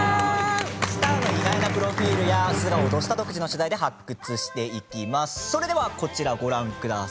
スターの意外なプロフィールや素顔を「土スタ」独自の取材で発掘していきます。